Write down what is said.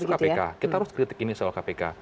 justru kpk kita harus kritik ini soal kpk